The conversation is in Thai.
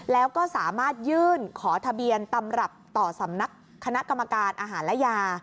แล้วก็สามารถยื่นขอทะเบียนตำรับต่อสำนักคณะกรรมการอาหารและยา